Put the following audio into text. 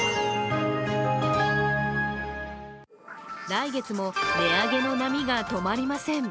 来月も値上げの波が止まりません。